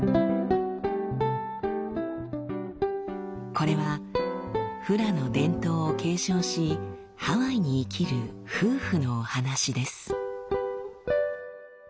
これはフラの伝統を継承しハワイに生きる夫婦のお話です。